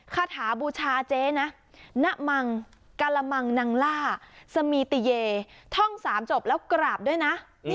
คาถาบูชาเจ๊นะณมังกะละมังนังล่าสมีติเยท่องสามจบแล้วกราบด้วยนะ